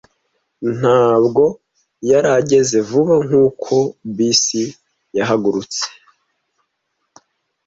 Ntabwo yari ageze vuba nkuko bisi yahagurutse.